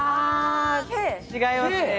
違いますね。